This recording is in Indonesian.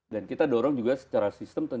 dan kita dorong juga secara sistem